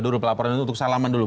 dulu pelaporan itu untuk salaman dulu